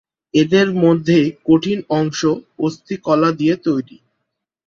এদের মধ্যে কঠিন অংশ অস্থি কলা দিয়ে তৈরী।